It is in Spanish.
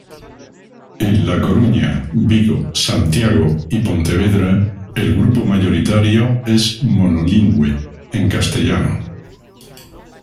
En La Coruña, Vigo, Santiago y Pontevedra el grupo mayoritario es monolingüe en castellano.